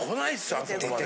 あそこまで。